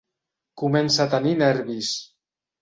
Comença a tenir nervis.